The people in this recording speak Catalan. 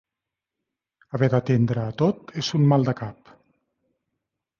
Haver d'atendre a tot és un maldecap.